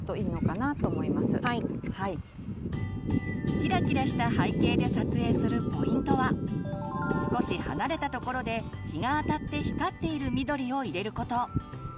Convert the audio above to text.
キラキラした背景で撮影するポイントは少し離れたところで日があたって光っている緑を入れること。